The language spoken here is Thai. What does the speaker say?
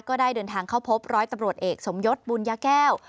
ก็ได้เดินทางเข้าพบร้อยตำรวจเอกสมยศบุญญาแก้ว